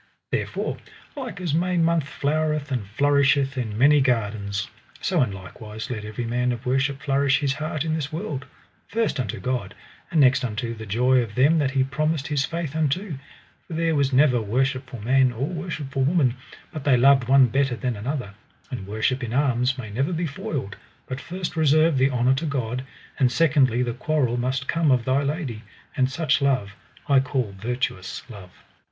Therefore, like as May month flowereth and flourisheth in many gardens, so in like wise let every man of worship flourish his heart in this world, first unto God, and next unto the joy of them that he promised his faith unto; for there was never worshipful man or worshipful woman, but they loved one better than another; and worship in arms may never be foiled, but first reserve the honour to God, and secondly the quarrel must come of thy lady: and such love I call virtuous love.